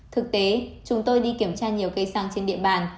thực tế chúng tôi đi kiểm tra nhiều cây xăng trên địa bàn